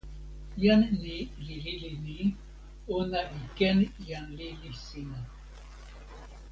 jan ni li lili ni: ona li ken jan lili sina.